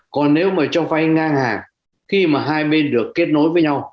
còn nếu mà cho vay ngang hàng khi mà hai bên được kết nối với nhau